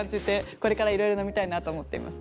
これからいろいろのみたいなと思ってますね。